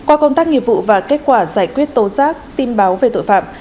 qua công tác nghiệp vụ và kết quả giải quyết tố giác tin báo về tội phạm